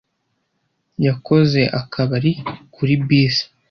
Yakoze akabari kuri bisi.